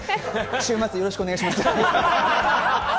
週末よろしくお願いします。